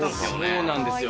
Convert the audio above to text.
そうなんですよ。